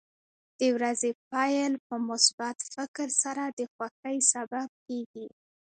د ورځې پیل په مثبت فکر سره د خوښۍ سبب کېږي.